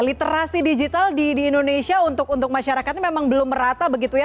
literasi digital di indonesia untuk masyarakatnya memang belum merata begitu ya